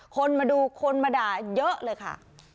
คนมาดูคนมาด่าเยอะเลยค่ะ